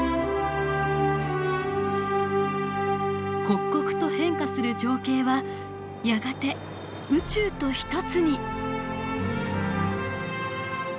刻々と変化する情景はやがて宇宙と一つに。